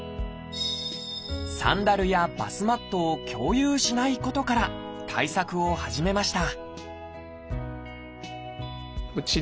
サンダルやバスマットを共有しないことから対策を始めました